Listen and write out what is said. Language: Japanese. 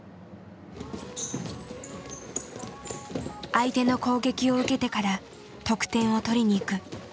相手の攻撃を受けてから得点を取りに行く。